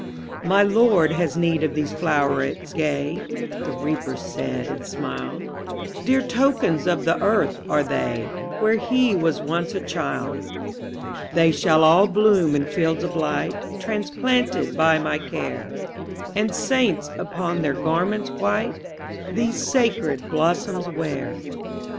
``My Lord has need of these flowerets gay,'' The Reaper said, and smiled; ``Dear tokens of the earth are they, Where he was once a child. ``They shall all bloom in fields of light, Transplanted by my care, And saints, upon their garments white, These sacred blossoms wear.''